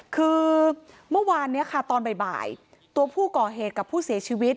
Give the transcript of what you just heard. คือเมื่อวานนี้ค่ะตอนบ่ายตัวผู้ก่อเหตุกับผู้เสียชีวิต